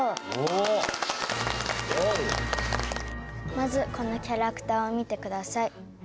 まずこのキャラクターを見てください。